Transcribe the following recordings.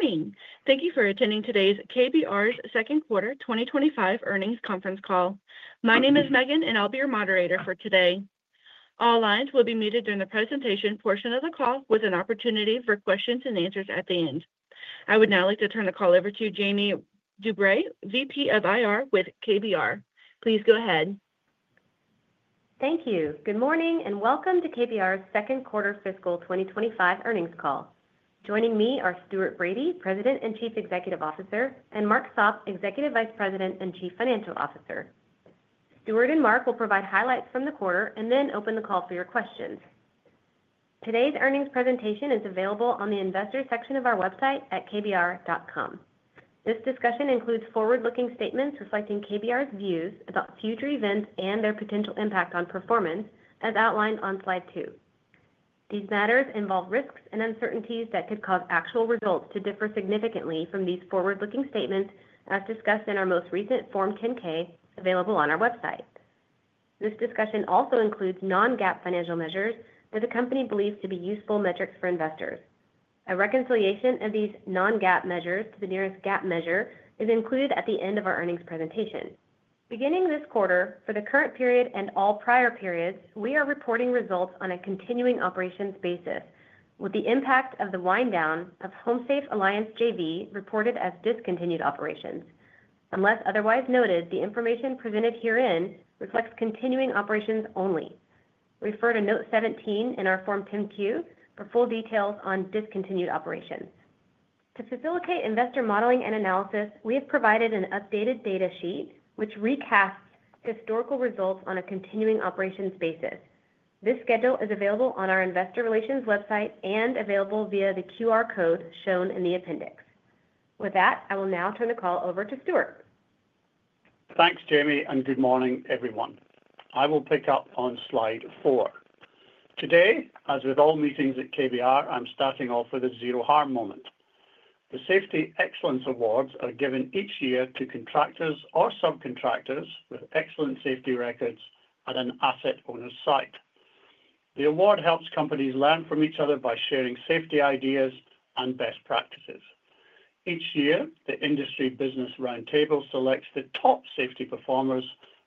Good morning. Thank you for attending today's KBR second quarter 2025 earnings conference call. My name is Megan, and I'll be your moderator for today. All lines will be muted during the presentation portion of the call, with an opportunity for questions and answers at the end. I would now like to turn the call over to Jamie DuBray, Vice President of Investor Relations with KBR. Please go ahead. Thank you. Good morning and welcome to KBR's second quarter fiscal 2025 earnings call. Joining me are Stuart Bradie, President and Chief Executive Officer, and Mark Sopp, Executive Vice President and Chief Financial Officer. Stuart and Mark will provide highlights from the quarter and then open the call for your questions. Today's earnings presentation is available on the investor section of our website at kbr.com. This discussion includes forward-looking statements reflecting KBR's views about future events and their potential impact on performance, as outlined on slide two. These matters involve risks and uncertainties that could cause actual results to differ significantly from these forward-looking statements, as discussed in our most recent Form 10-K available on our website. This discussion also includes non-GAAP financial measures that the company believes to be useful metrics for investors. A reconciliation of these non-GAAP measures to the nearest GAAP measure is included at the end of our earnings presentation. Beginning this quarter, for the current period and all prior periods, we are reporting results on a continuing operations basis, with the impact of the wind-down of HomeSafe Alliance JV reported as discontinued operations. Unless otherwise noted, the information presented herein reflects continuing operations only. Refer to note 17 in our Form 10-Q for full details on discontinued operations. To facilitate investor modeling and analysis, we have provided an updated data sheet which recasts historical results on a continuing operations basis. This schedule is available on our investor relations website and available via the QR code shown in the appendix. With that, I will now turn the call over to Stuart. Thanks, Jamie, and good morning, everyone. I will pick up on slide four. Today, as with all meetings at KBR, I'm starting off with a zero harm moment. The Safety Excellence Awards are given each year to contractors or subcontractors with excellent safety records at an asset owner's site. The award helps companies learn from each other by sharing safety ideas and best practices. Each year, the industry business roundtable selects the top safety performers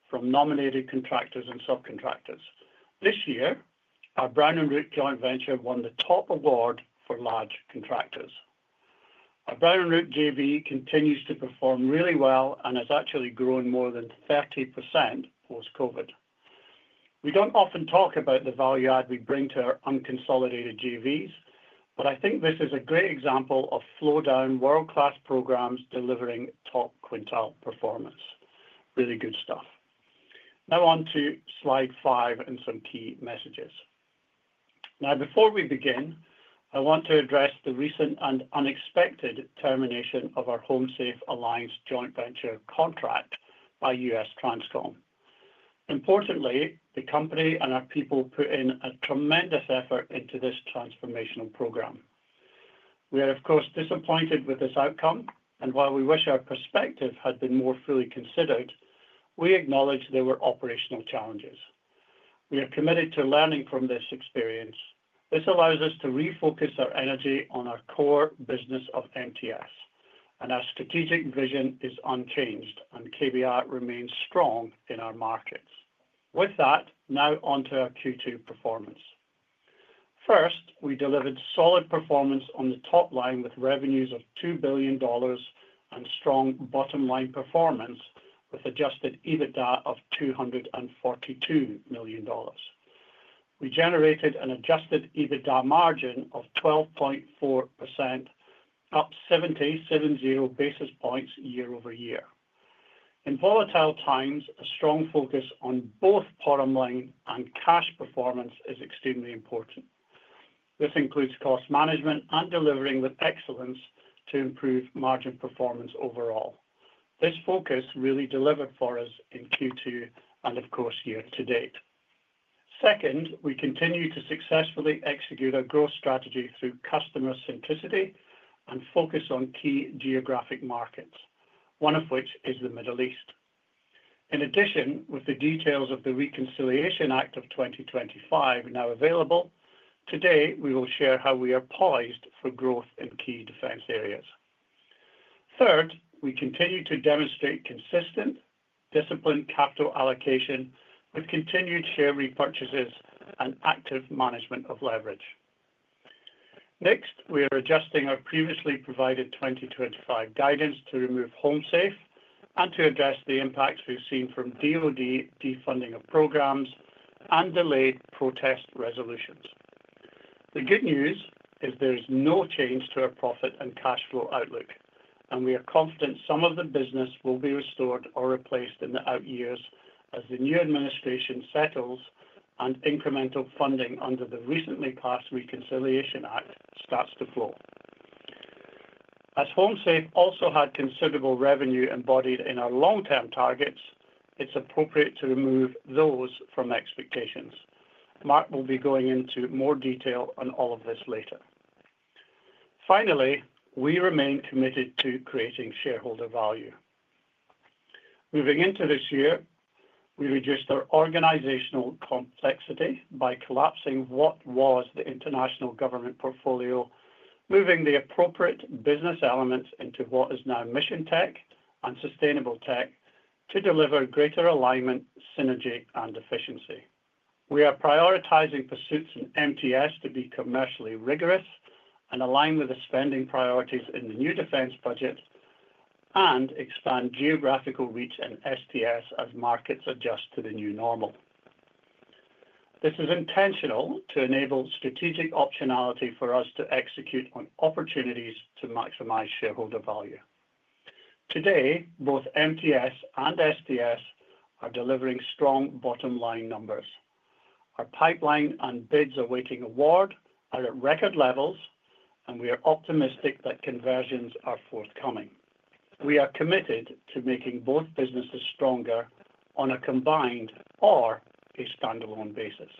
from nominated contractors and subcontractors. This year, our Brown & Root joint venture won the top award for large contractors. Our Brown & Root JV continues to perform really well and has actually grown more than 30% post-COVID. We don't often talk about the value add we bring to our unconsolidated JVs, but I think this is a great example of flow-down world-class programs delivering top quintile performance. Really good stuff. Now on to slide five and some key messages. Before we begin, I want to address the recent and unexpected termination of our HomeSafe Alliance joint venture contract by USTRANSCOM. Importantly, the company and our people put in a tremendous effort into this transformational program. We are, of course, disappointed with this outcome, and while we wish our perspective had been more fully considered, we acknowledge there were operational challenges. We are committed to learning from this experience. This allows us to refocus our energy on our core business of MTS, and our strategic vision is unchanged, and KBR remains strong in our markets. With that, now on to our Q2 performance. First, we delivered solid performance on the top line with revenues of $2 billion and strong bottom line performance with Adjusted EBITDA of $242 million. We generated an Adjusted EBITDA margin of 12.4%, up 70 basis points year-over-year. In volatile times, a strong focus on both bottom line and cash performance is extremely important. This includes cost management and delivering with excellence to improve margin performance overall. This focus really delivered for us in Q2 and, of course, year-to-date. Second, we continue to successfully execute our growth strategy through customer centricity and focus on key geographic markets, one of which is the Middle East. In addition, with the details of the Reconciliation Act of 2025 now available, today we will share how we are poised for growth in key defense areas. Third, we continue to demonstrate consistent, disciplined capital allocation with continued share repurchases and active management of leverage. Next, we are adjusting our previously provided 2025 guidance to remove HomeSafe and to address the impacts we've seen from DoD defunding of programs and delayed protest resolutions. The good news is there is no change to our profit and cash flow outlook, and we are confident some of the business will be restored or replaced in the out years as the new administration settles and incremental funding under the recently passed Reconciliation Act starts to flow. As HomeSafe also had considerable revenue embodied in our long-term targets, it's appropriate to remove those from expectations. Mark will be going into more detail on all of this later. Finally, we remain committed to creating shareholder value. Moving into this year, we reduced our organizational complexity by collapsing what was the international government portfolio, moving the appropriate business elements into what is now Mission Tech and Sustainable Tech to deliver greater alignment, synergy, and efficiency. We are prioritizing pursuits in MTS to be commercially rigorous and aligned with the spending priorities in the new defense budget and expand geographical reach in STS as markets adjust to the new normal. This is intentional to enable strategic optionality for us to execute on opportunities to maximize shareholder value. Today, both MTS and STS are delivering strong bottom line numbers. Our pipeline and record bids awaiting award are at record levels, and we are optimistic that conversions are forthcoming. We are committed to making both businesses stronger on a combined or a standalone basis.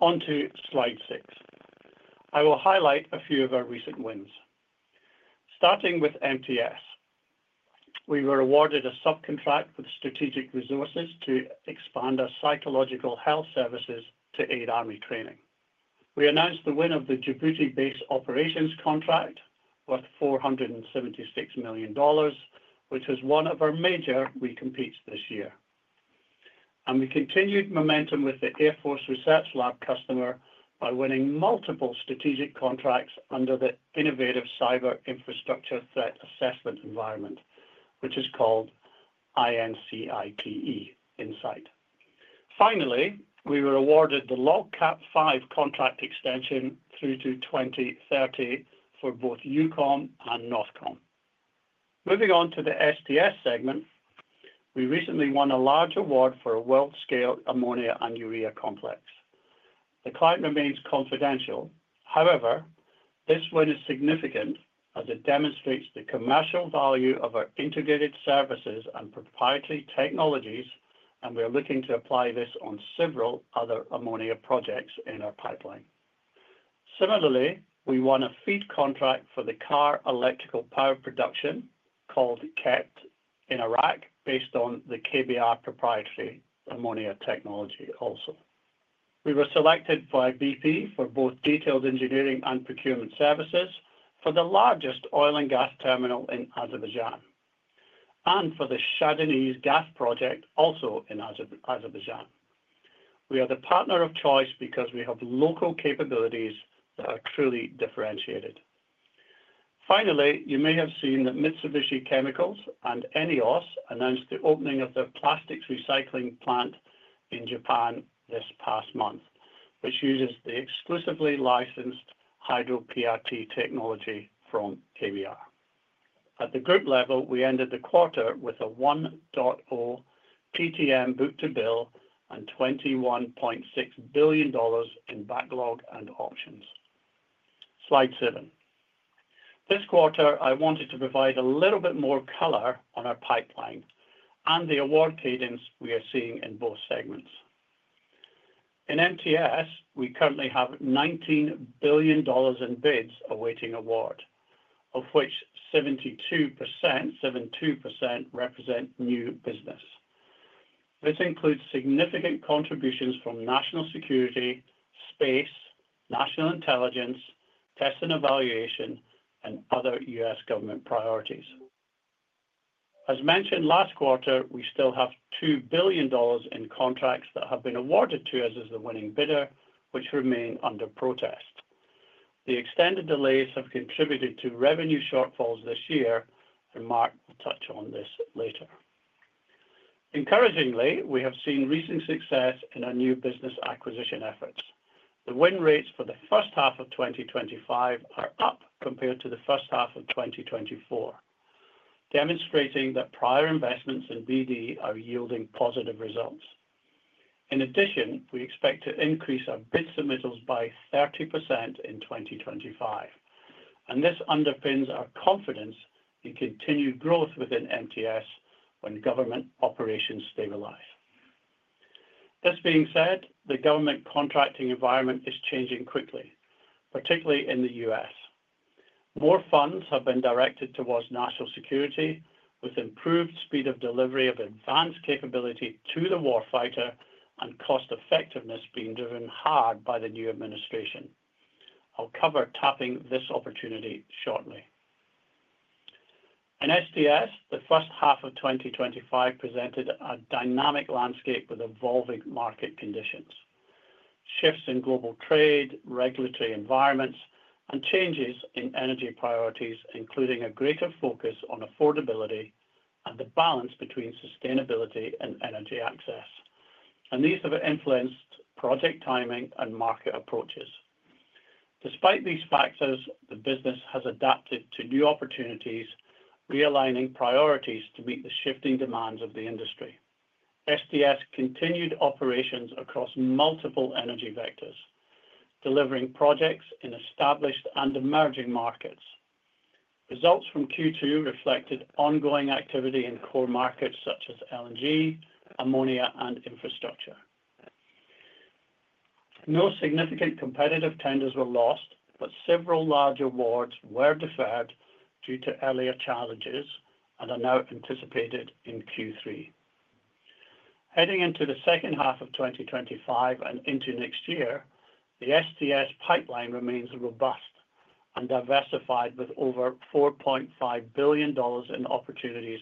On to slide six. I will highlight a few of our recent wins. Starting with MTS, we were awarded a subcontract with Strategic Resources to expand our psychological health services to aid Army training. We announced the win of the Djibouti-based operations contract worth $476 million, which was one of our major recompetes this year. We continued momentum with the Air Force Research Lab customer by winning multiple strategic contracts under the Innovative Cyber/Infrastructure Threat Assessment Environment, which is called I-N-C-I-T-E INCITE. Finally, we were awarded the LOGCAP V contract extension through to 2030 for both EUCOM and NORTHCOM. Moving on to the STS segment, we recently won a large award for a world-scale ammonia and urea complex. The client remains confidential. However, this win is significant as it demonstrates the commercial value of our integrated services and proprietary technologies, and we are looking to apply this on several other ammonia projects in our pipeline. Similarly, we won a FEED contract for the car electrical power production called KEPPT in Iraq, based on the KBR proprietary ammonia technology also. We were selected by BP for both detailed engineering and procurement services for the largest oil and gas terminal in Azerbaijan and for the Shah Deniz Gas Project also in Azerbaijan. We are the partner of choice because we have local capabilities that are truly differentiated. Finally, you may have seen that Mitsubishi Chemical and ENEOS announced the opening of their plastics recycling plant in Japan this past month, which uses the exclusively licensed Hydro-PRT technology from KBR. At the group level, we ended the quarter with a 1.0 PTM book to bill and $21.6 billion in backlog and options. Slide seven. This quarter, I wanted to provide a little bit more color on our pipeline and the award cadence we are seeing in both segments. In MTS, we currently have $19 billion in bids awaiting award, of which 72% represent new business. This includes significant contributions from national security, space, national intelligence, test and evaluation, and other U.S. government priorities. As mentioned last quarter, we still have $2 billion in contracts that have been awarded to us as the winning bidder, which remain under protest. The extended delays have contributed to revenue shortfalls this year, and Mark will touch on this later. Encouragingly, we have seen recent success in our new business acquisition efforts. The win rates for the first half of 2025 are up compared to the first half of 2024, demonstrating that prior investments in BD are yielding positive results. In addition, we expect to increase our bid submittals by 30% in 2025, and this underpins our confidence in continued growth within MTS when government operations stabilize. This being said, the government contracting environment is changing quickly, particularly in the U.S. More funds have been directed towards national security, with improved speed of delivery of advanced capability to the warfighter and cost effectiveness being driven hard by the new administration. I'll cover tapping this opportunity shortly. In STS, the first half of 2025 presented a dynamic landscape with evolving market conditions, shifts in global trade, regulatory environments, and changes in energy priorities, including a greater focus on affordability and the balance between sustainability and energy access. These have influenced project timing and market approaches. Despite these factors, the business has adapted to new opportunities, realigning priorities to meet the shifting demands of the industry. STS continued operations across multiple energy vectors, delivering projects in established and emerging markets. Results from Q2 reflected ongoing activity in core markets such as LNG, ammonia, and infrastructure. No significant competitive tenders were lost, but several large awards were deferred due to earlier challenges and are now anticipated in Q3. Heading into the second half of 2025 and into next year, the STS pipeline remains robust and diversified with over $4.5 billion in opportunities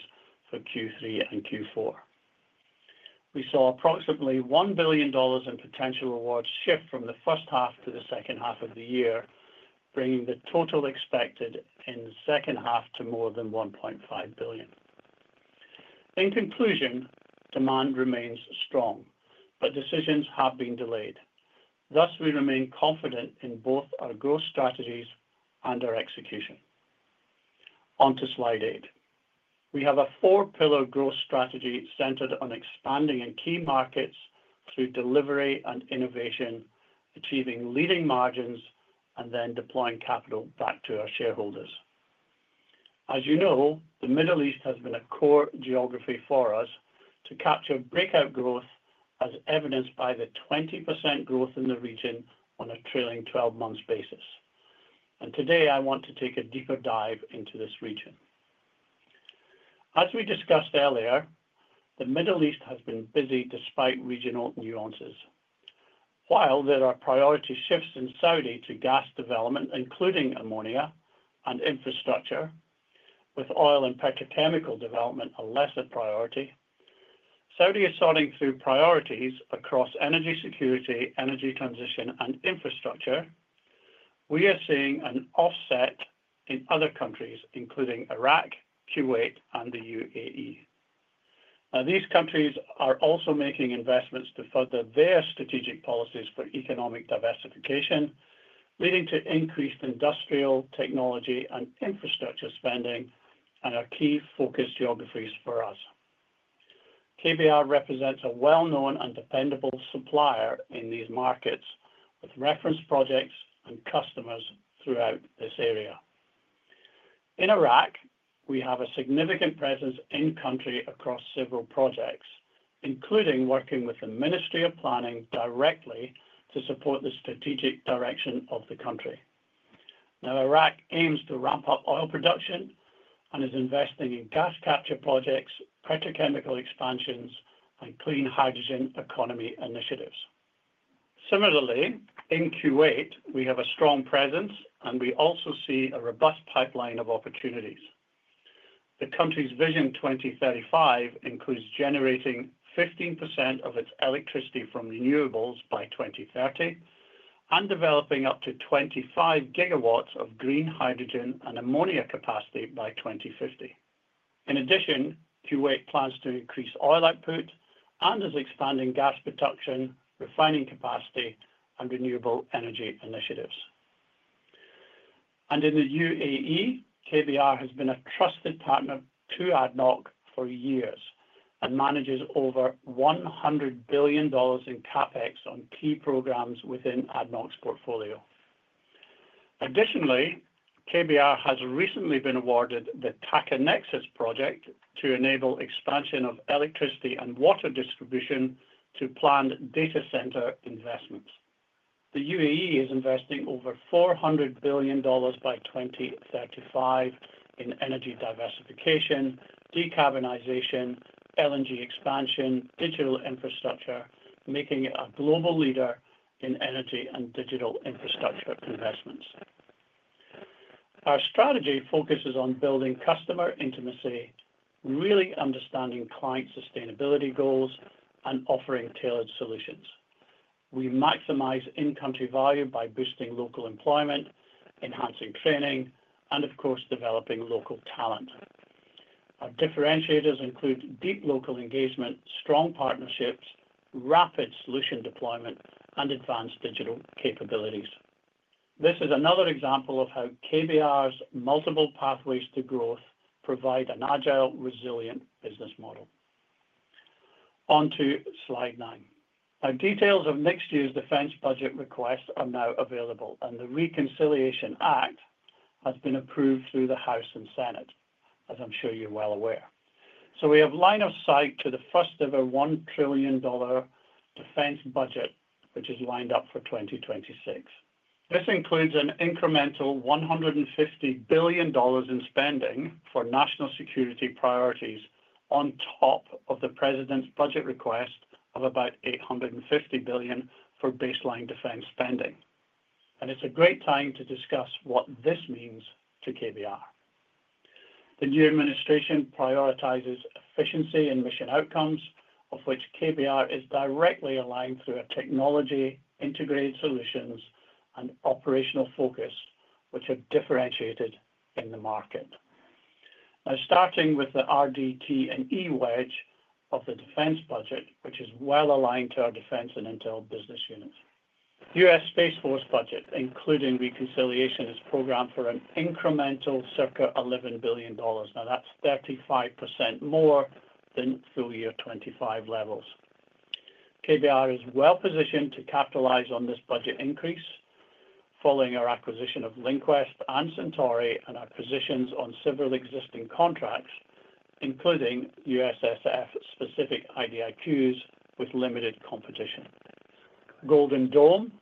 for Q3 and Q4. We saw approximately $1 billion in potential awards shift from the first half to the second half of the year, bringing the total expected in the second half to more than $1.5 billion. In conclusion, demand remains strong, but decisions have been delayed. Thus, we remain confident in both our growth strategies and our execution. On to slide eight. We have a four-pillar growth strategy centered on expanding in key markets through delivery and innovation, achieving leading margins, and then deploying capital back to our shareholders. As you know, the Middle East has been a core geography for us to capture breakout growth, as evidenced by the 20% growth in the region on a trailing 12-month basis. Today, I want to take a deeper dive into this region. As we discussed earlier, the Middle East has been busy despite regional nuances. While there are priority shifts in Saudi to gas development, including ammonia and infrastructure, with oil and petrochemical development a lesser priority, Saudi is sorting through priorities across energy security, energy transition, and infrastructure. We are seeing an offset in other countries, including Iraq, Kuwait, and the UAE. These countries are also making investments to further their strategic policies for economic diversification, leading to increased industrial technology and infrastructure spending and are key focus geographies for us. KBR represents a well-known and dependable supplier in these markets, with reference projects and customers throughout this area. In Iraq, we have a significant presence in-country across several projects, including working with the Ministry of Planning directly to support the strategic direction of the country. Iraq aims to ramp up oil production and is investing in gas capture projects, petrochemical expansions, and clean hydrogen economy initiatives. Similarly, in Kuwait, we have a strong presence, and we also see a robust pipeline of opportunities. The country's Vision 2035 includes generating 15% of its electricity from renewables by 2030 and developing up to 25 GW of green hydrogen and ammonia capacity by 2050. In addition, Kuwait plans to increase oil output and is expanding gas production, refining capacity, and renewable energy initiatives. In the UAE, KBR has been a trusted partner to ADNOC for years and manages over $100 billion in CapEx on key programs within ADNOC's portfolio. Additionally, KBR has recently been awarded the TAQA Nexus project to enable expansion of electricity and water distribution to planned data center investments. The UAE is investing over $400 billion by 2035 in energy diversification, decarbonization, LNG expansion, and digital infrastructure, making it a global leader in energy and digital infrastructure investments. Our strategy focuses on building customer intimacy, really understanding client sustainability goals, and offering tailored solutions. We maximize in-country value by boosting local employment, enhancing training, and, of course, developing local talent. Our differentiators include deep local engagement, strong partnerships, rapid solution deployment, and advanced digital capabilities. This is another example of how KBR's multiple pathways to growth provide an agile, resilient business model. On to slide nine. Details of next year's defense budget requests are now available, and the Reconciliation Act has been approved through the House and Senate, as I'm sure you're well aware. We have line of sight to the first ever $1 trillion defense budget, which is lined up for 2026. This includes an incremental $150 billion in spending for national security priorities on top of the president's budget request of about $850 billion for baseline defense spending. It's a great time to discuss what this means to KBR. The new administration prioritizes efficiency and mission outcomes, of which KBR is directly aligned through our technology, integrated solutions, and operational focus, which have differentiated in the market. Now, starting with the RDT&E wedge of the defense budget, which is well aligned to our defense and intel business units. The U.S. Space Force budget, including reconciliation, is programmed for an incremental circa $11 billion. Now, that's 35% more than full year 2025 levels. KBR is well positioned to capitalize on this budget increase following our acquisition of LinQuest and Centauri and our positions on several existing contracts, including U.S. Space Force-specific IDIQs with limited competition. Golden Dome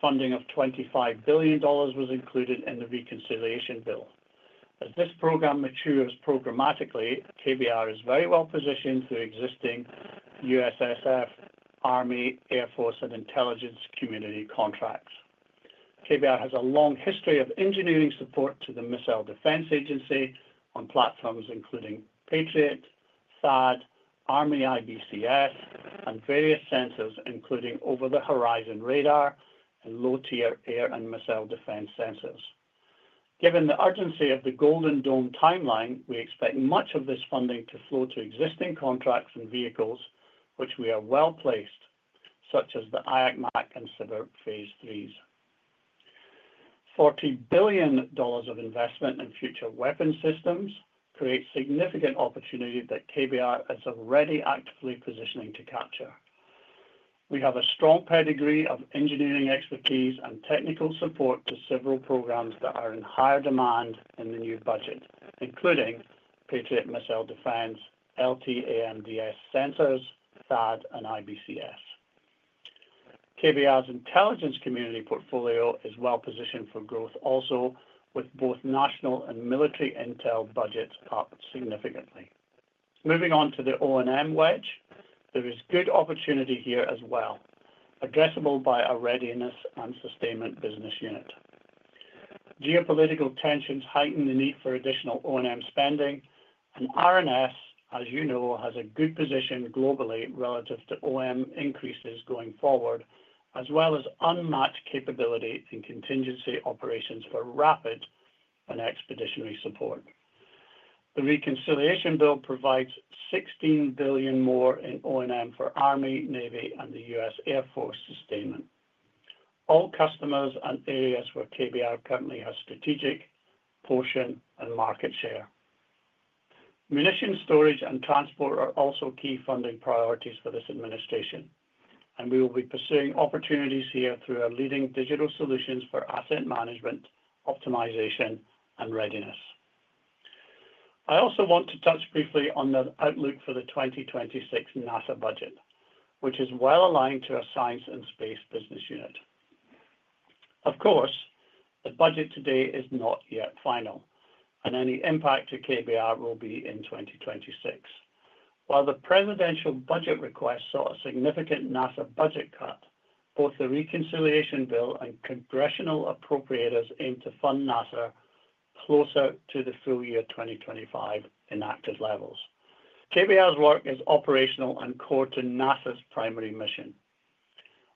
funding of $25 billion was included in the reconciliation bill. As this program matures programmatically, KBR is very well positioned through existing USSF, Army, Air Force, and Intelligence Community contracts. KBR has a long history of engineering support to the Missile Defense Agency on platforms including PATRIOT, THAAD, Army IBCS, and various sensors, including over-the-horizon radar and low-tier air and missile defense sensors. Given the urgency of the Golden Dome timeline, we expect much of this funding to flow to existing contracts and vehicles, which we are well placed, such as the IAC MAC and SBIR Phase III. $40 billion of investment in future weapon systems creates significant opportunity that KBR is already actively positioning to capture. We have a strong pedigree of engineering expertise and technical support to several programs that are in higher demand in the new budget, including PATRIOT Missile Defense, LTAMDS sensors, THAAD, and IBCS. KBR's intelligence community portfolio is well positioned for growth also, with both national and military intel budgets up significantly. Moving on to the O&M wedge, there is good opportunity here as well, addressable by our readiness and sustainment business unit. Geopolitical tensions heighten the need for additional O&M spending, and R&S, as you know, has a good position globally relative to O&M increases going forward, as well as unmatched capability in contingency operations for rapid and expeditionary support. The reconciliation bill provides $16 billion more in O&M for Army, Navy, and the U.S. Air Force sustainment. All customers and areas where KBR currently has strategic portion and market share. Munition storage and transport are also key funding priorities for this administration, and we will be pursuing opportunities here through our leading digital solutions for asset management, optimization, and readiness. I also want to touch briefly on the outlook for the 2026 NASA budget, which is well aligned to our science and space business unit. Of course, the budget today is not yet final, and any impact to KBR will be in 2026. While the presidential budget requests saw a significant NASA budget cut, both the reconciliation bill and congressional appropriators aim to fund NASA closer to the full year 2025 enacted levels. KBR's work is operational and core to NASA's primary mission.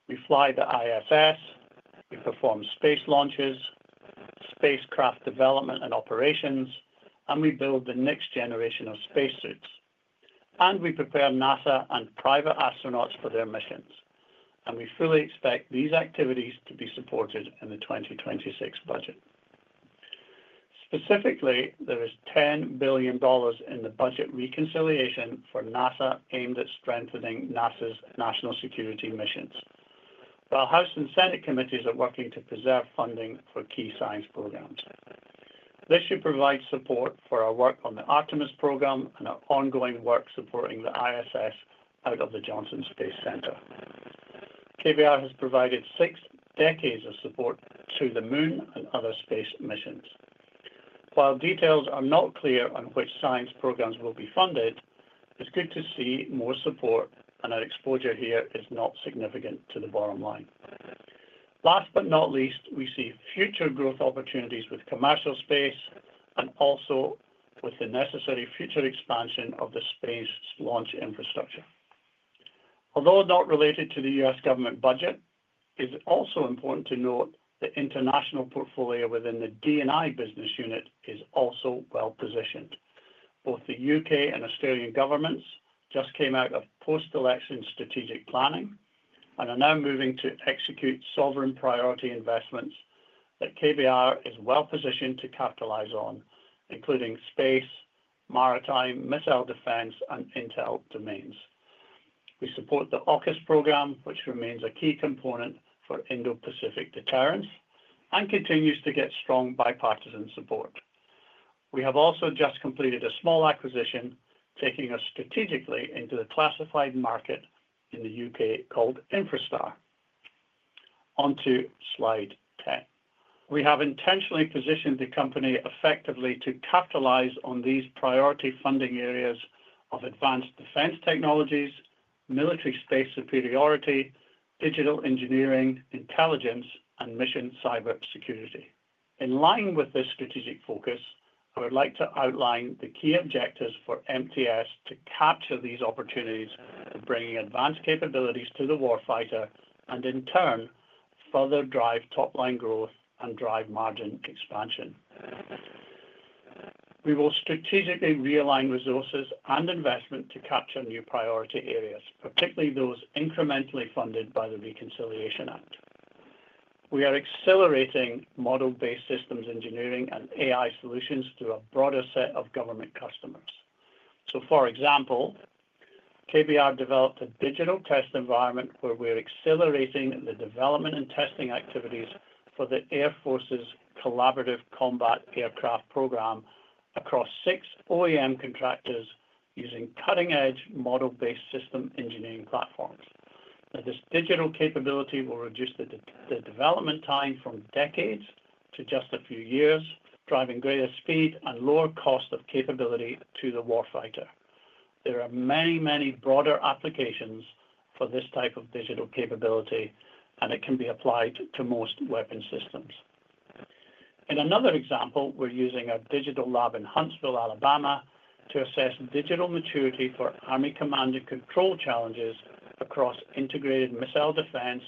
We fly the ISS, we perform space launches, spacecraft development and operations, and we build the next generation of spacesuits. We prepare NASA and private astronauts for their missions, and we fully expect these activities to be supported in the 2026 budget. Specifically, there is $10 billion in the budget reconciliation for NASA aimed at strengthening NASA's national security missions, while House and Senate committees are working to preserve funding for key science programs. This should provide support for our work on the Artemis program and our ongoing work supporting the ISS out of the Johnson Space Center. KBR has provided six decades of support to the moon and other space missions. While details are not clear on which science programs will be funded, it's good to see more support, and our exposure here is not significant to the bottom line. Last but not least, we see future growth opportunities with commercial space and also with the necessary future expansion of the space launch infrastructure. Although not related to the U.S. government budget, it is also important to note the international portfolio within the D&I business unit is also well positioned. Both the U.K. and Australian governments just came out of post-election strategic planning and are now moving to execute sovereign priority investments that KBR is well positioned to capitalize on, including space, maritime, missile defense, and intel domains. We support the AUKUS program, which remains a key component for Indo-Pacific deterrence and continues to get strong bipartisan support. We have also just completed a small acquisition, taking us strategically into the classified market in the U.K. called Infrastar. On to slide 10. We have intentionally positioned the company effectively to capitalize on these priority funding areas of advanced defense technologies, military space superiority, digital engineering, intelligence, and mission cybersecurity. In line with this strategic focus, I would like to outline the key objectives for MTS to capture these opportunities in bringing advanced capabilities to the warfighter and, in turn, further drive top line growth and drive margin expansion. We will strategically realign resources and investment to capture new priority areas, particularly those incrementally funded by the Reconciliation Act. We are accelerating model-based systems engineering and AI solutions through a broader set of government customers. For example, KBR developed a digital test environment where we are accelerating the development and testing activities for the Air Force's Collaborative Combat Aircraft program across six OEM contractors using cutting-edge model-based system engineering platforms. This digital capability will reduce the development time from decades to just a few years, driving greater speed and lower cost of capability to the warfighter. There are many, many broader applications for this type of digital capability, and it can be applied to most weapon systems. In another example, we're using our digital lab in Huntsville, Alabama, to assess digital maturity for Army command and control challenges across integrated missile defense,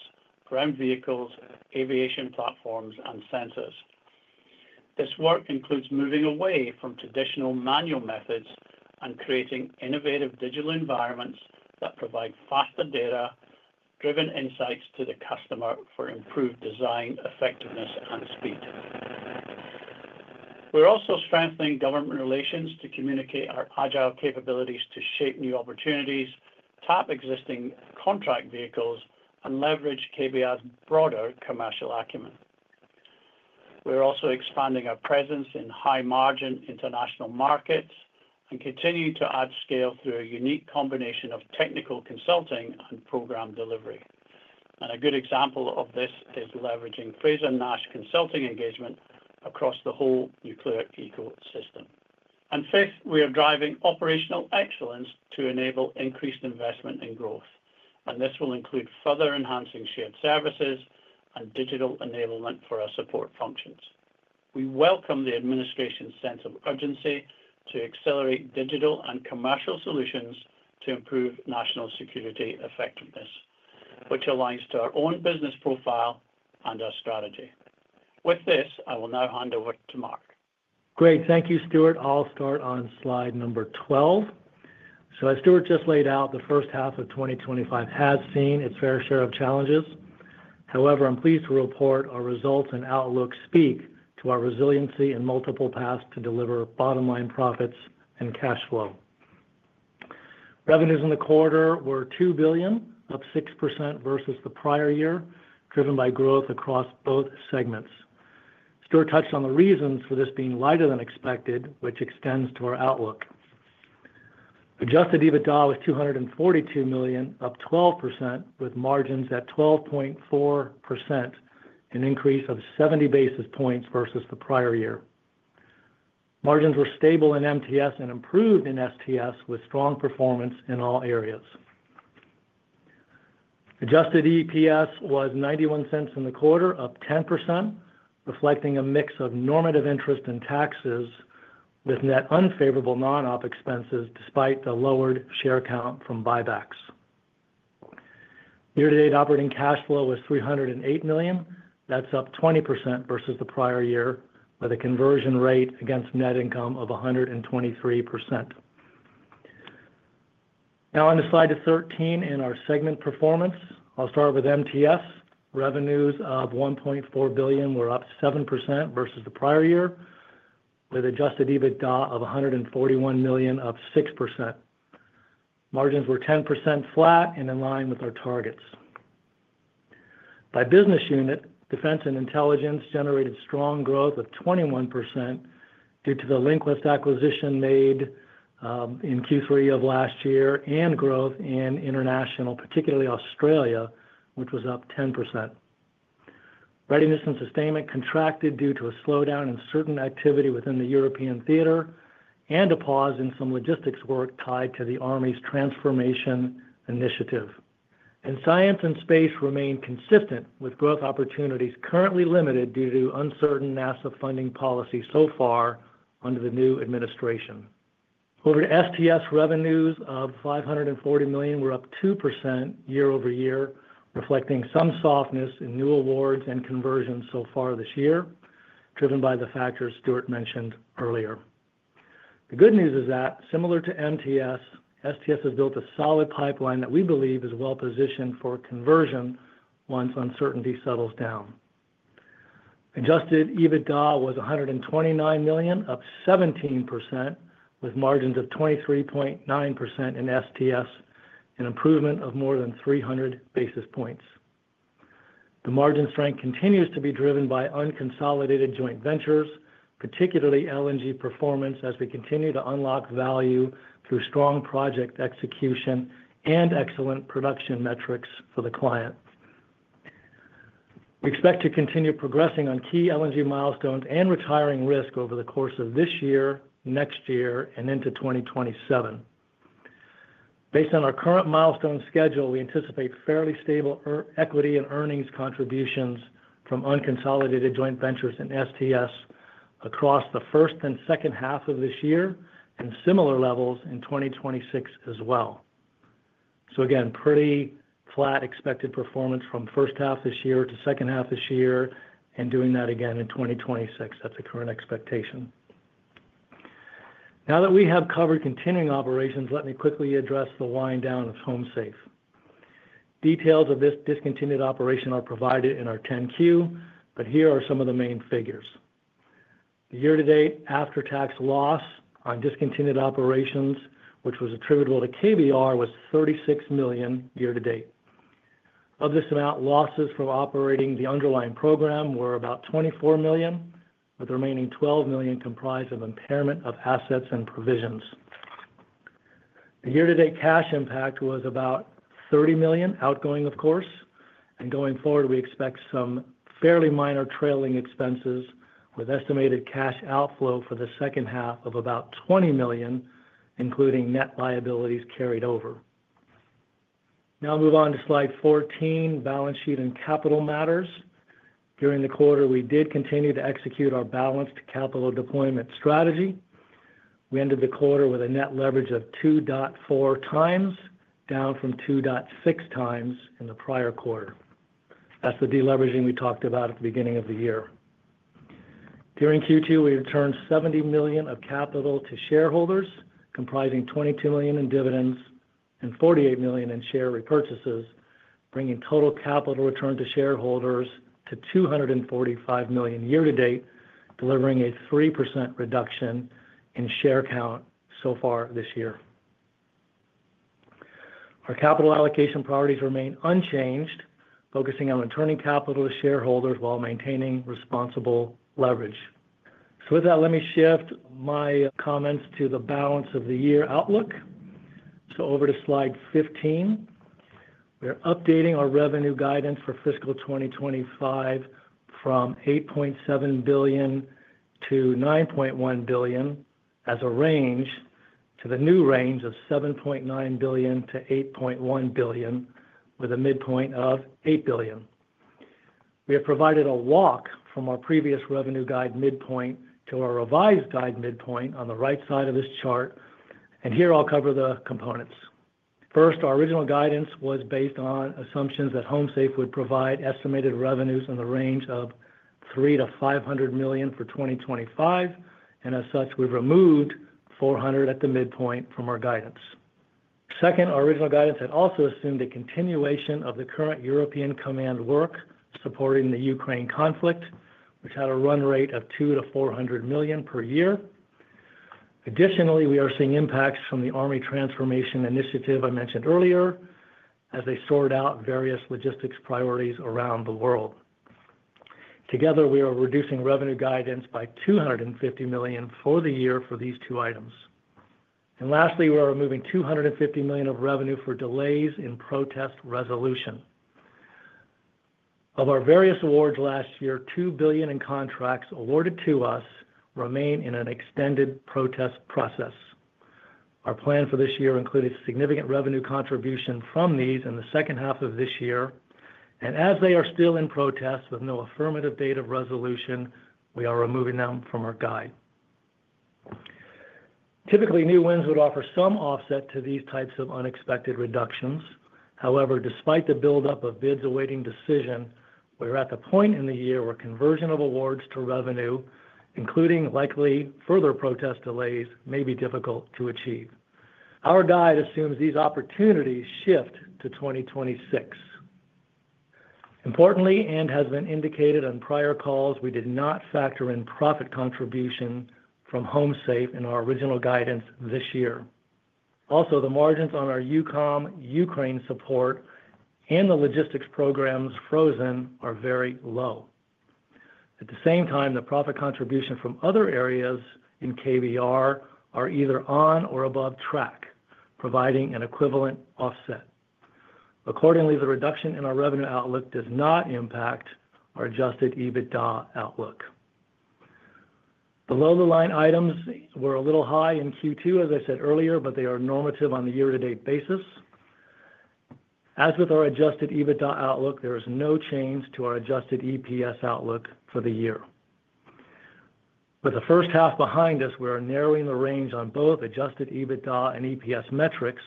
ground vehicles, aviation platforms, and sensors. This work includes moving away from traditional manual methods and creating innovative digital environments that provide faster data-driven insights to the customer for improved design effectiveness and speed. We're also strengthening government relations to communicate our agile capabilities to shape new opportunities, tap existing contract vehicles, and leverage KBR's broader commercial acumen. We're also expanding our presence in high-margin international markets and continue to add scale through a unique combination of technical consulting and program delivery. A good example of this is leveraging Frazer-Nash consulting engagement across the whole nuclear ecosystem. Fifth, we are driving operational excellence to enable increased investment and growth, and this will include further enhancing shared services and digital enablement for our support functions. We welcome the administration's sense of urgency to accelerate digital and commercial solutions to improve national security effectiveness, which aligns to our own business profile and our strategy. With this, I will now hand over to Mark. Great. Thank you, Stuart. I'll start on slide number 12. As Stuart just laid out, the first half of 2025 has seen its fair share of challenges. However, I'm pleased to report our results and outlook speak to our resiliency in multiple paths to deliver bottom line profits and cash flow. Revenues in the quarter were $2 billion, up 6% versus the prior year, driven by growth across both segments. Stuart touched on the reasons for this being lighter than expected, which extends to our outlook. Adjusted EBITDA was $242 million, up 12%, with margins at 12.4%, an increase of 70 basis points versus the prior year. Margins were stable in MTS and improved in STS, with strong performance in all areas. Adjusted EPS was $0.91 in the quarter, up 10%, reflecting a mix of normative interest and taxes, with net unfavorable non-OP expenses despite a lowered share count from buybacks. Year-to-date operating cash flow was $308 million. That's up 20% versus the prior year, with a conversion rate against net income of 123%. Now, on to slide 13 in our segment performance. I'll start with MTS. Revenues of $1.4 billion were up 7% versus the prior year, with Adjusted EBITDA of $141 million, up 6%. Margins were 10% flat and in line with our targets. By business unit, defense and intelligence generated strong growth of 21% due to the LinQuest acquisition made in Q3 of last year and growth in international, particularly Australia, which was up 10%. Readiness and sustainment contracted due to a slowdown in certain activity within the European theater and a pause in some logistics work tied to the Army's transformation initiative. Science and space remain consistent with growth opportunities currently limited due to uncertain NASA funding policy so far under the new administration. Over to STS, revenues of $540 million were up 2% year-over-year, reflecting some softness in new awards and conversions so far this year, driven by the factors Stuart mentioned earlier. The good news is that, similar to MTS, STS has built a solid pipeline that we believe is well positioned for conversion once uncertainty settles down. Adjusted EBITDA was $129 million, up 17%, with margins of 23.9% in STS, an improvement of more than 300 basis points. The margin strength continues to be driven by unconsolidated joint ventures, particularly LNG performance, as we continue to unlock value through strong project execution and excellent production metrics for the client. We expect to continue progressing on key LNG milestones and retiring risk over the course of this year, next year, and into 2027. Based on our current milestone schedule, we anticipate fairly stable equity and earnings contributions from unconsolidated joint ventures in STS across the first and second half of this year and similar levels in 2026 as well. Again, pretty flat expected performance from first half this year to second half this year and doing that again in 2026. That's the current expectation. Now that we have covered continuing operations, let me quickly address the wind-down of HomeSafe. Details of this discontinued operation are provided in our 10-Q, but here are some of the main figures. The year-to-date after-tax loss on discontinued operations, which was attributable to KBR, was $36 million year-to-date. Of this amount, losses from operating the underlying program were about $24 million, with the remaining $12 million comprised of impairment of assets and provisions. The year-to-date cash impact was about $30 million outgoing, of course, and going forward, we expect some fairly minor trailing expenses, with estimated cash outflow for the second half of about $20 million, including net liabilities carried over. Now I'll move on to slide 14, balance sheet and capital matters. During the quarter, we did continue to execute our balanced capital deployment strategy. We ended the quarter with a net leverage of 2.4x, down from 2.6x in the prior quarter. That's the deleveraging we talked about at the beginning of the year. During Q2, we returned $70 million of capital to shareholders, comprising $22 million in dividends and $48 million in share repurchases, bringing total capital return to shareholders to $245 million yeart-to-date, delivering a 3% reduction in share count so far this year. Our capital allocation priorities remain unchanged, focusing on returning capital to shareholders while maintaining responsible leverage. With that, let me shift my comments to the balance of the year outlook. Over to slide 15, we are updating our revenue guidance for fiscal 2025 from $8.7 billion-$9.1 billion as a range to the new range of $7.9 billion-$8.1 billion, with a midpoint of $8 billion. We have provided a walk from our previous revenue guide midpoint to our revised guide midpoint on the right side of this chart, and here I'll cover the components. First, our original guidance was based on assumptions that HomeSafe would provide estimated revenues in the range of $300 million-$500 million for 2025, and as such, we've removed $400 million at the midpoint from our guidance. Second, our original guidance had also assumed a continuation of the current European command work supporting the Ukraine conflict, which had a run rate of $200 million-$400 million per year. Additionally, we are seeing impacts from the Army Transformation Initiative I mentioned earlier as they sort out various logistics priorities around the world. Together, we are reducing revenue guidance by $250 million for the year for these two items. Lastly, we are removing $250 million of revenue for delays in protest resolution. Of our various awards last year, $2 billion in contracts awarded to us remain in an extended protest process. Our plan for this year included significant revenue contribution from these in the second half of this year, and as they are still in protest with no affirmative date of resolution, we are removing them from our guide. Typically, new wins would offer some offset to these types of unexpected reductions. However, despite the buildup of bids awaiting decision, we are at the point in the year where conversion of awards to revenue, including likely further protest delays, may be difficult to achieve. Our guide assumes these opportunities shift to 2026. Importantly, and as has been indicated on prior calls, we did not factor in profit contribution from HomeSafe in our original guidance this year. Also, the margins on our EUCOM Ukraine support and the logistics programs frozen are very low. At the same time, the profit contribution from other areas in KBR are either on or above track, providing an equivalent offset. Accordingly, the reduction in our revenue outlook does not impact our Adjusted EBITDA outlook. The low-to-line items were a little high in Q2, as I said earlier, but they are normative on the year-to-date basis. As with our Adjusted EBITDA outlook, there is no change to our Adjusted EPS outlook for the year. With the first half behind us, we are narrowing the range on both Adjusted EBITDA and EPS metrics,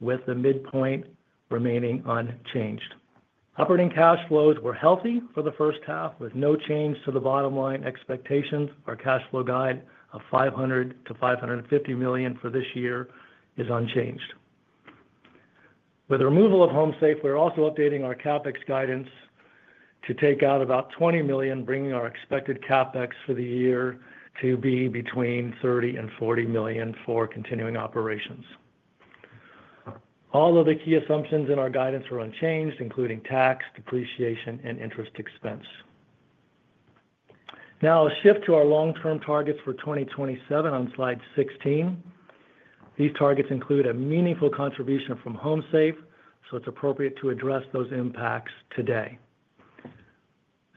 with the midpoint remaining unchanged. Operating cash flows were healthy for the first half, with no change to the bottom line expectations. Our cash flow guide of $500 million-$550 million for this year is unchanged. With the removal of HomeSafe, we are also updating our CapEx guidance to take out about $20 million, bringing our expected CapEx for the year to be between $30 million and $40 million for continuing operations. All of the key assumptions in our guidance are unchanged, including tax, depreciation, and interest expense. Now, I'll shift to our long-term targets for 2027 on slide 16. These targets include a meaningful contribution from HomeSafe, so it's appropriate to address those impacts today.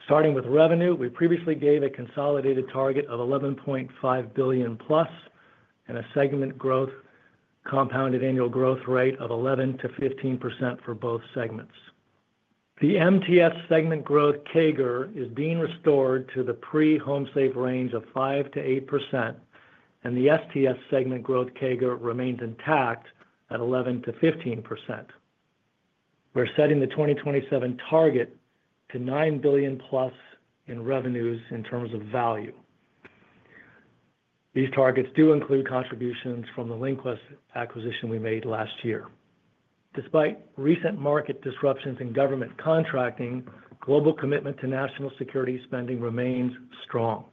Starting with revenue, we previously gave a consolidated target of $11.5 billion+ and a segment growth CAGR of 11%-15% for both segments. The MTS segment growth CAGR is being restored to the pre-HomeSafe range of 5%-8%, and the STS segment growth CAGR remains intact at 11%-15%. We're setting the 2027 target to $9 billion+ in revenues in terms of value. These targets do include contributions from the LinQuest acquisition we made last year. Despite recent market disruptions in government contracting, global commitment to national security spending remains strong.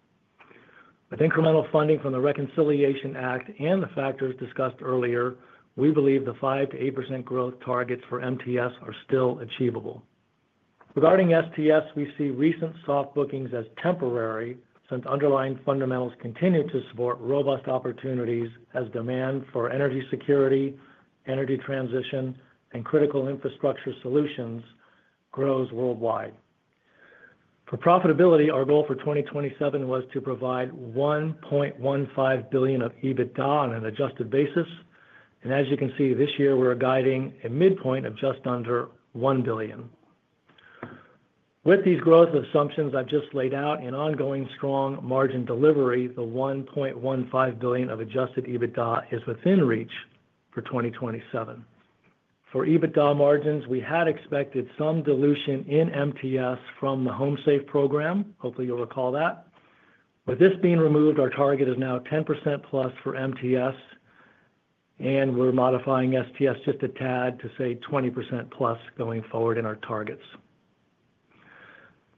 With incremental funding from the Reconciliation Act and the factors discussed earlier, we believe the 5%-8% growth targets for MTS are still achievable. Regarding STS, we see recent soft bookings as temporary since underlying fundamentals continue to support robust opportunities as demand for energy security, energy transition, and critical infrastructure solutions grows worldwide. For profitability, our goal for 2027 was to provide $1.15 billion of EBITDA on an adjusted basis, and as you can see, this year we're guiding a midpoint of just under $1 billion. With these growth assumptions I've just laid out and ongoing strong margin delivery, the $1.15 billion of Adjusted EBITDA is within reach for 2027. For EBITDA margins, we had expected some dilution in MTS from the HomeSafe program. Hopefully, you'll recall that. With this being removed, our target is now 10%+ for MTS, and we're modifying STS just a tad to say 20%+ going forward in our targets.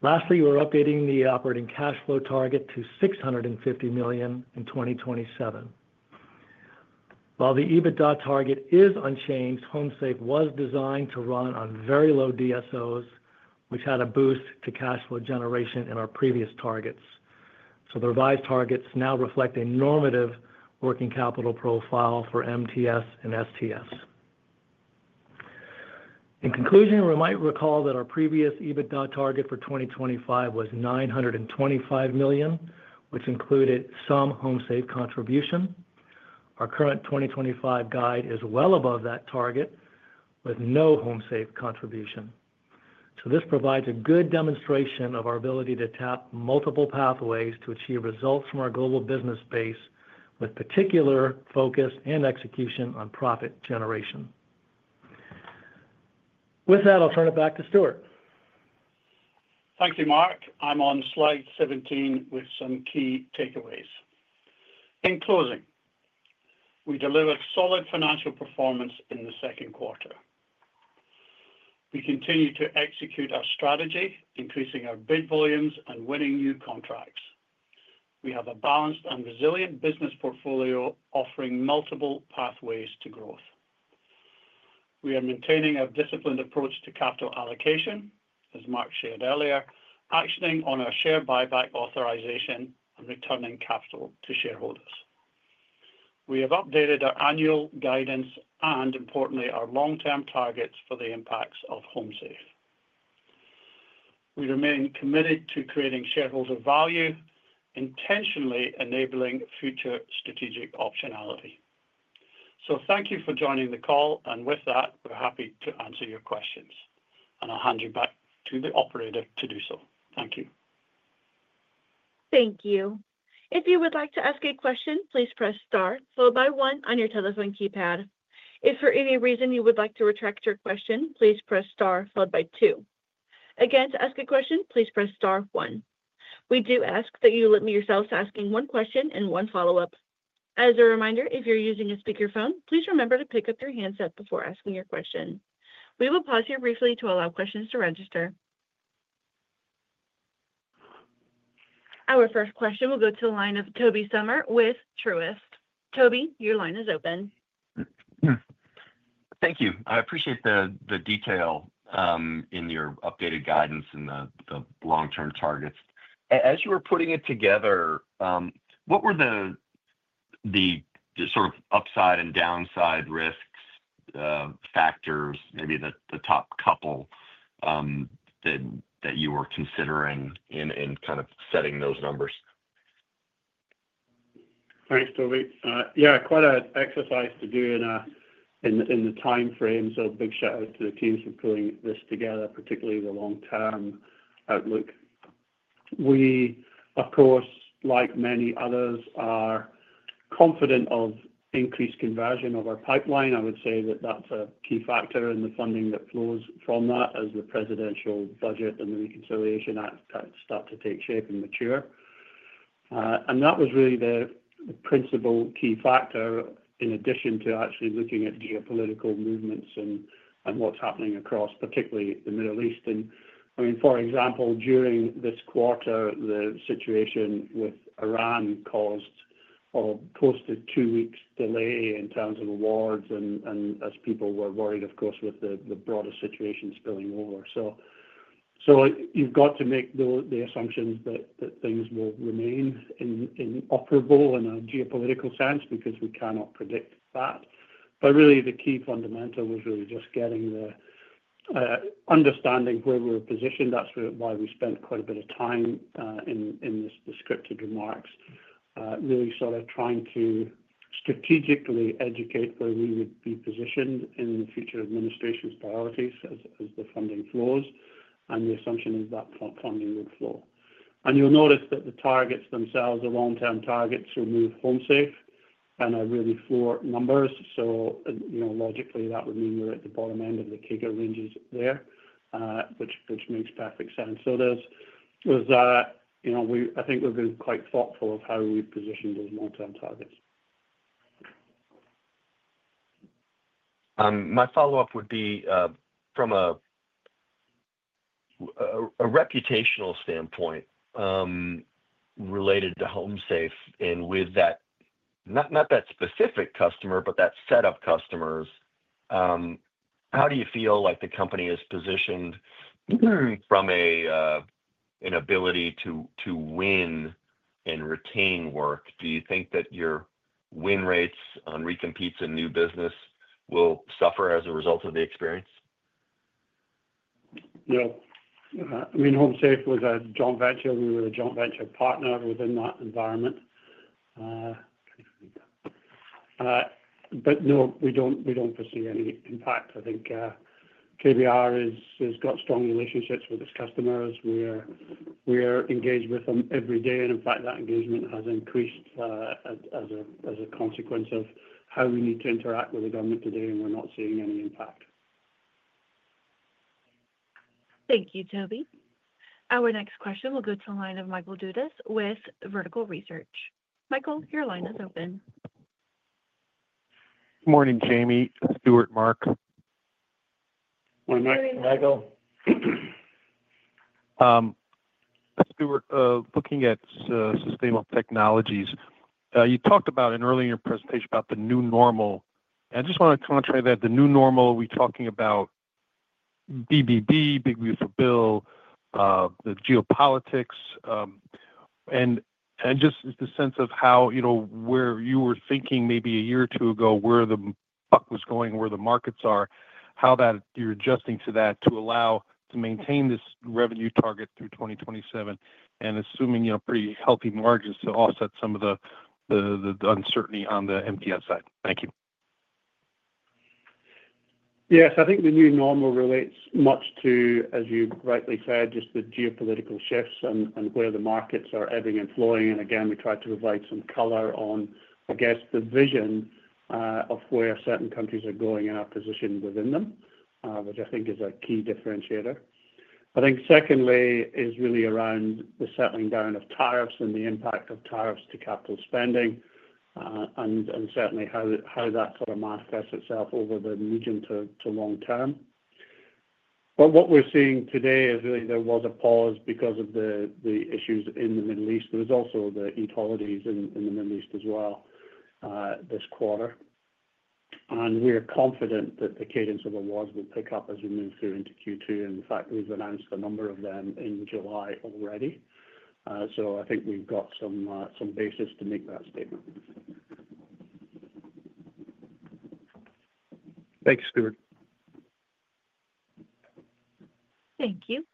Lastly, we're updating the operating cash flow target to $650 million in 2027. While the EBITDA target is unchanged, HomeSafe was designed to run on very low DSOs, which had a boost to cash flow generation in our previous targets. The revised targets now reflect a normative working capital profile for MTS and STS. In conclusion, we might recall that our previous EBITDA target for 2025 was $925 million, which included some HomeSafe contribution. Our current 2025 guide is well above that target with no HomeSafe contribution. This provides a good demonstration of our ability to tap multiple pathways to achieve results from our global business base, with particular focus and execution on profit generation. With that, I'll turn it back to Stuart. Thank you, Mark. I'm on slide 17 with some key takeaways. In closing, we delivered solid financial performance in the second quarter. We continue to execute our strategy, increasing our bid volumes and winning new contracts. We have a balanced and resilient business portfolio offering multiple pathways to growth. We are maintaining a disciplined approach to capital allocation, as Mark shared earlier, actioning on our share buyback authorization and returning capital to shareholders. We have updated our annual guidance and, importantly, our long-term targets for the impacts of HomeSafe. We remain committed to creating shareholder value, intentionally enabling future strategic optionality. Thank you for joining the call, and with that, we're happy to answer your questions. I'll hand you back to the operator to do so. Thank you. Thank you. If you would like to ask a question, please press star followed by one on your telephone keypad. If for any reason you would like to retract your question, please press star followed by two. Again, to ask a question, please press star one. We do ask that you limit yourselves to asking one question and one follow-up. As a reminder, if you're using a speakerphone, please remember to pick up your handset before asking your question. We will pause here briefly to allow questions to register. Our first question will go to the line of Tobey Sommer with Truist. Toby, your line is open. Thank you. I appreciate the detail in your updated guidance and the long-term targets. As you were putting it together, what were the sort of upside and downside risks, factors, maybe the top couple, that you were considering in kind of setting those numbers? Thanks, Tobey. Yeah, quite an exercise to do in the time frame. Big shout out to the teams for pulling this together, particularly the long-term outlook. We, of course, like many others, are confident of increased conversion of our pipeline. I would say that that's a key factor in the funding that flows from that as the presidential budget and the Reconciliation Act start to take shape and mature. That was really the principal key factor in addition to actually looking at geopolitical movements and what's happening across, particularly the Middle East. For example, during this quarter, the situation with Iran caused or posted two weeks' delay in terms of awards as people were worried, of course, with the broader situation spilling over. You've got to make the assumptions that things will remain operable in a geopolitical sense because we cannot predict that. The key fundamental was really just getting the understanding of where we were positioned. That's why we spent quite a bit of time in this descriptive remarks, really sort of trying to strategically educate where we would be positioned in the future administration's priorities as the funding flows and the assumption is that funding would flow. You'll notice that the targets themselves, the long-term targets, remove HomeSafe and are really floor numbers. Logically, that would mean we're at the bottom end of the CAGR ranges there, which makes perfect sense. I think we've been quite thoughtful of how we positioned those long-term targets. My follow-up would be, from a reputational standpoint, related to HomeSafe and with that, not that specific customer, but that set of customers, how do you feel like the company is positioned from an ability to win and retain work? Do you think that your win rates on recompetes and new business will suffer as a result of the experience? HomeSafe was a joint venture. We were a joint venture partner within that environment. No, we don't foresee any impact. I think KBR has got strong relationships with its customers. We are engaged with them every day. In fact, that engagement has increased as a consequence of how we need to interact with the government today, and we're not seeing any impact. Thank you, Tobey. Our next question will go to the line of Michael Dudas with Vertical Research. Michael, your line is open. Morning, Jamie, Stuart, Mark. Morning, Michael. Stuart, looking at sustainable technologies, you talked about earlier in your presentation about the new normal. I just want to contrast that, the new normal, are we talking about BBB, Big Beautiful Bill, the geopolitics, and just the sense of how, you know, where you were thinking maybe a year or two ago, where the buck was going, where the markets are, how that you're adjusting to that to allow to maintain this revenue target through 2027 and assuming, you know, pretty healthy margins to offset some of the uncertainty on the MTS side. Thank you. Yes, I think the new normal relates much to, as you rightly said, just the geopolitical shifts and where the markets are ebbing and flowing. We try to provide some color on, I guess, the vision of where certain countries are going and our position within them, which I think is a key differentiator. I think secondly is really around the settling down of tariffs and the impact of tariffs to capital spending, and certainly how that sort of manifests itself over the region to long term. What we're seeing today is really there was a pause because of the issues in the Middle East. There were also the Eid holidays in the Middle East as well, this quarter. We are confident that the cadence of awards will pick up as we move through into Q2. In fact, we've announced a number of them in July already. I think we've got some basis to make that statement. Thank you, Stuart. Thank you.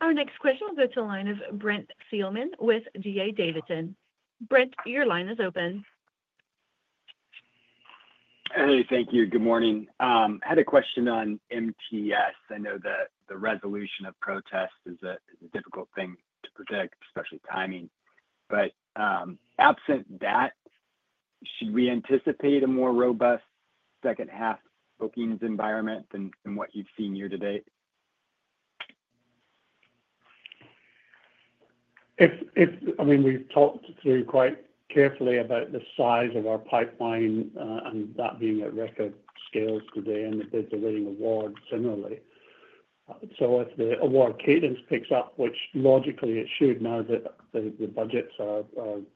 Our next question will go to the line of Brent Thielman with D.A. Davidson. Brent, your line is open. Hey, thank you. Good morning. I had a question on MTS. I know that the resolution of protests is a difficult thing to predict, especially timing. Absent that, should we anticipate a more robust second-half bookings environment than what you've seen year-to-date? We've talked through quite carefully about the size of our pipeline, and that being at risk of scales today and the bids awaiting award similarly. If the award cadence picks up, which logically it should now that the budgets are,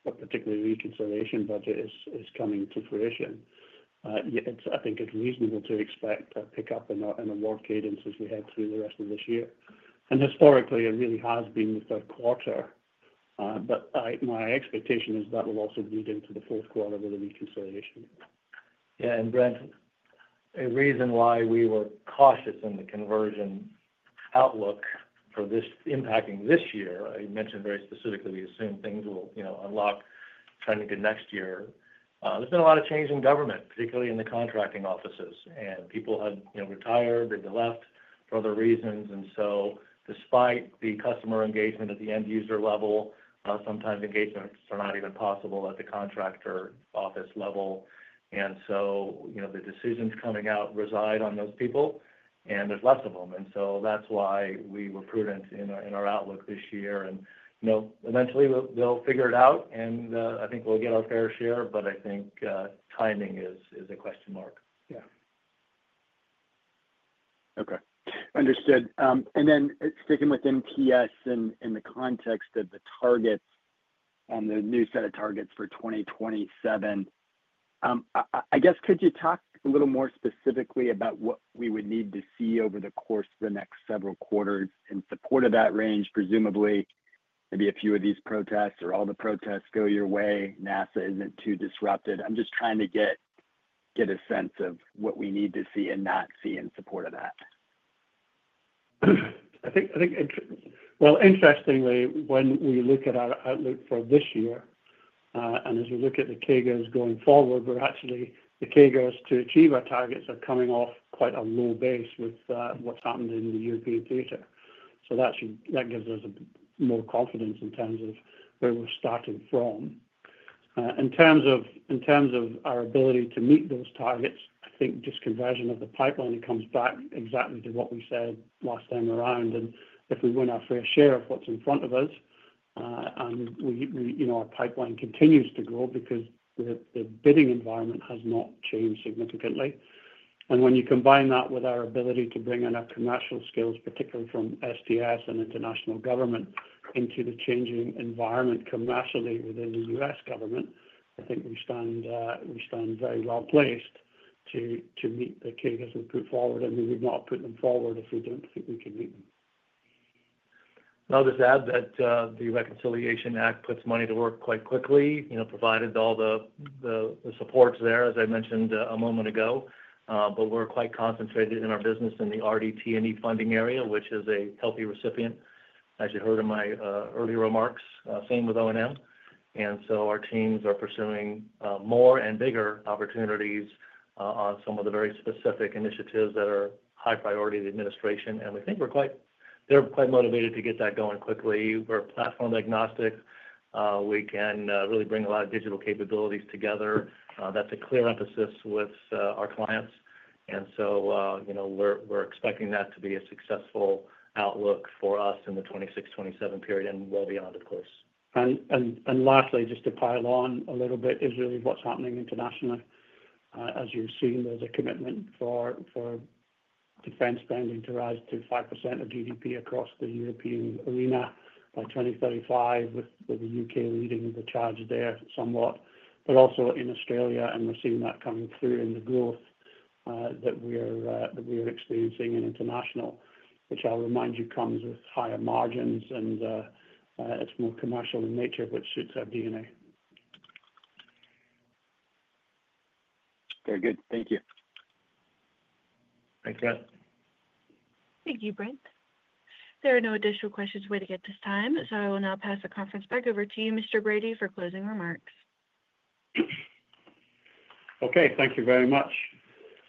a particular reconciliation budget is coming to fruition, yeah, I think it's reasonable to expect a pickup in an award cadence as we head through the rest of this year. Historically, it really has been the third quarter. I think my expectation is that will also bleed into the fourth quarter with the reconciliation. Yeah. Brent, a reason why we were cautious in the conversion outlook for this impacting this year, I mentioned very specifically, we assume things will unlock trending to next year. There's been a lot of change in government, particularly in the contracting offices. People had retired, they left for other reasons. Despite the customer engagement at the end-user level, sometimes engagements are not even possible at the contractor office level. The decisions coming out reside on those people, and there's less of them. That's why we were prudent in our outlook this year. Eventually, they'll figure it out, and I think we'll get our fair share, but I think timing is a question mark. Yeah. Okay. Understood. Sticking with MTS in the context of the targets and the new set of targets for 2027, could you talk a little more specifically about what we would need to see over the course of the next several quarters in support of that range? Presumably, maybe a few of these protests or all the protests go your way, NASA isn't too disrupted. I'm just trying to get a sense of what we need to see and not see in support of that? Interestingly, when we look at our outlook for this year, and as we look at the CAGRs going forward, the CAGRs to achieve our targets are coming off quite a low base with what's happened in the European theater. That gives us more confidence in terms of where we're starting from. In terms of our ability to meet those targets, just conversion of the pipeline comes back exactly to what we said last time around. If we win our fair share of what's in front of us, our pipeline continues to grow because the bidding environment has not changed significantly. When you combine that with our ability to bring in our commercial skills, particularly from STS and international government, into the changing environment commercially within the U.S. government, I think we stand very well placed to meet the CAGRs we put forward. We would not put them forward if we don't think we can meet them. I'll just add that the Reconciliation Act puts money to work quite quickly, provided all the supports are there, as I mentioned a moment ago. We're quite concentrated in our business in the RDT&E funding area, which is a healthy recipient, as you heard in my earlier remarks. Same with O&M. Our teams are pursuing more and bigger opportunities on some of the very specific initiatives that are high priority to the administration. We think they're quite motivated to get that going quickly. We're platform agnostic. We can really bring a lot of digital capabilities together. That's a clear emphasis with our clients. We're expecting that to be a successful outlook for us in the 2026-2027 period and well beyond, of course. Lastly, just to pile on a little bit, is really what's happening internationally. As you've seen, there's a commitment for defense spending to rise to 5% of GDP across the European arena by 2035, with the U.K. leading the charge there somewhat, but also in Australia. We're seeing that coming through in the growth that we are experiencing in international, which I'll remind you comes with higher margins, and it's more commercial in nature, which suits our DNA. Very good. Thank you. Thanks, Brent. Thank you, Brent. There are no additional questions for me at this time, so I will now pass the conference back over to you, Mr. Bradie, for closing remarks. Okay. Thank you very much.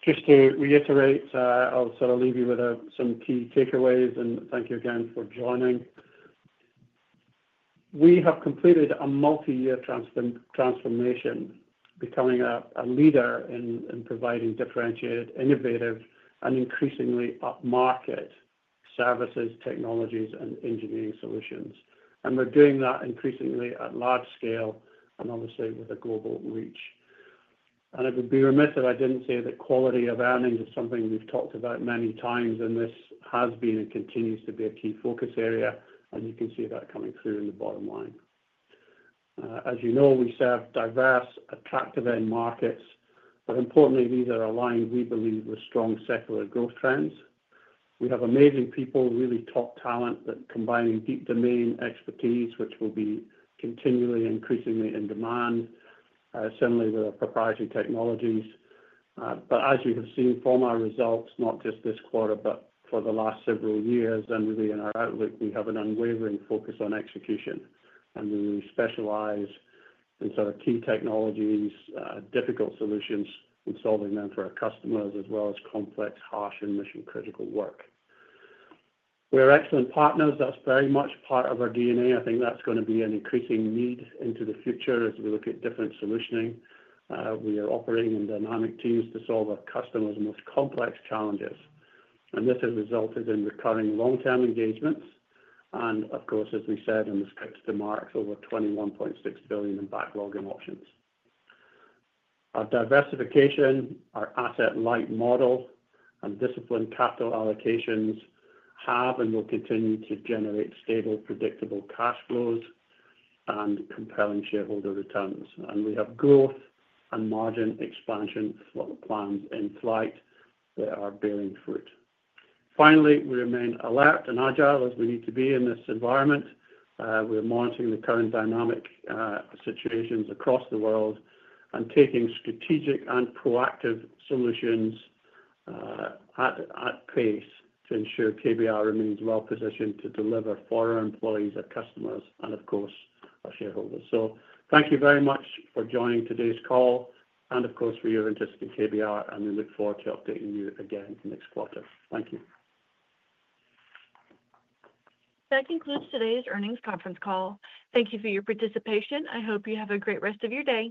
Just to reiterate, I'll sort of leave you with some key takeaways, and thank you again for joining. We have completed a multi-year transformation, becoming a leader in providing differentiated, innovative, and increasingly upmarket services, technologies, and engineering solutions. We're doing that increasingly at large scale and obviously with a global reach. I would be remiss if I didn't say the quality of earnings is something we've talked about many times, and this has been and continues to be a key focus area. You can see that coming through in the bottom line. As you know, we serve diverse, attractive end markets, but importantly, these are aligned, we believe, with strong secular growth trends. We have amazing people, really top talent that combine deep domain expertise, which will be continually increasingly in demand. Certainly, there are proprietary technologies. As we have seen from our results, not just this quarter, but for the last several years, and really in our outlook, we have an unwavering focus on execution. We really specialize in sort of key technologies, difficult solutions, and solving them for our customers, as well as complex, harsh, and mission-critical work. We're excellent partners. That's very much part of our DNA. I think that's going to be an increasing need into the future as we look at different solutioning. We are operating in dynamic teams to solve our customers' most complex challenges. This has resulted in recurring long-term engagements. As we said in the scripts to Mark, over $21.6 billion in backlog and options. Our diversification, our asset-light model, and disciplined capital allocations have and will continue to generate stable, predictable cash flows and compelling shareholder returns. We have growth and margin expansion plans in flight that are bearing fruit. Finally, we remain alert and agile as we need to be in this environment. We're monitoring the current dynamic situations across the world and taking strategic and proactive solutions at pace to ensure KBR remains well positioned to deliver for our employees, our customers, and of course, our shareholders. Thank you very much for joining today's call and of course for your interest in KBR, and we look forward to updating you again next quarter. Thank you. That concludes today's earnings conference call. Thank you for your participation. I hope you have a great rest of your day.